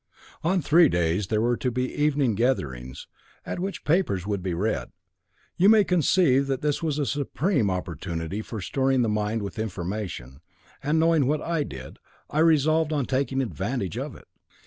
On three days there were to be evening gatherings, at which papers would be read. You may conceive that this was a supreme opportunity for storing the mind with information, and knowing what I did, I resolved on taking advantage of it.